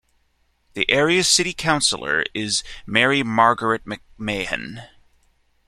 The area's city councillor is Mary-Margaret McMahon.